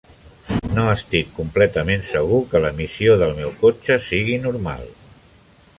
No estic completament segur que l'emissió del meu cotxe sigui normal.